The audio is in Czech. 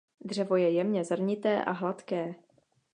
Dřevo je jemně zrnité a hladké.